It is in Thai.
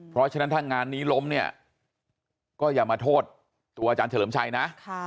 เพราะฉะนั้นถ้างานนี้ล้มเนี่ยก็อย่ามาโทษตัวอาจารย์เฉลิมชัยนะ